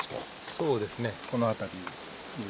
そうですねこの辺りです。